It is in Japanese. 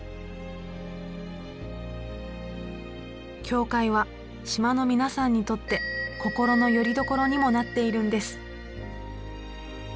教会は島の皆さんにとって心のよりどころにもなっているんです。